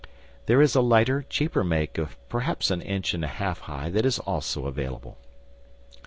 There is a lighter, cheaper make of perhaps an inch and a half high that is also available.